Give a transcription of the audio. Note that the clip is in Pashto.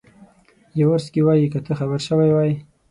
یاورسکي وایي که ته خبر شوی وای.